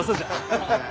ハハハハ。